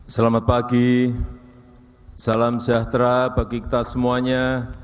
selamat pagi salam sejahtera bagi kita semuanya